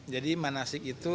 jadi manasik itu